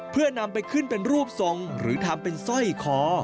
เพื่อนำไปขึ้นเป็นรูปทรงหรือทำเป็นสร้อยคอ